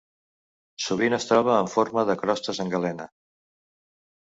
Sovint es troba en forma de crostes en galena.